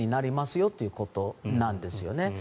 よってことなんですよね。